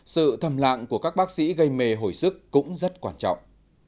sự thầm lạng của các bác sĩ gây mê hồi sức cũng rất quan trọng